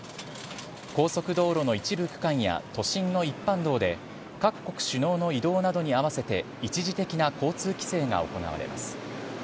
高速道路の一部区間や都心の一般道で、各国首脳の移動などに合わせて一時的な交通規制が行われます。